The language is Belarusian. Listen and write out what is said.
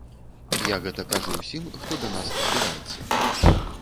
Я гэта кажу ўсім, хто да нас збіраецца.